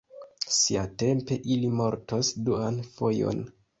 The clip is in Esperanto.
Siatempe ili mortos duan fojon.